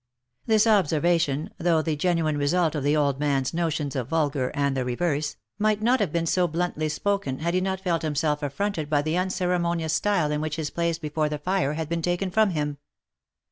This observation, though the genuine result of the old man's notions of vulgar, and the reverse, might not have been so bluntly spoken, had he not felt himself affronted by the unceremonious style in which his place before the fire had been taken from him.